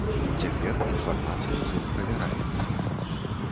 Цяпер інфармацыя з іх правяраецца.